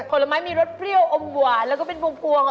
ผลไม้มีรสเปรี้ยวอมหวานแล้วก็เป็นพวงอ่ะ